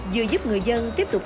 vừa giúp người dân tiếp tục